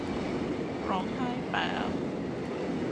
ร้องไห้แปบ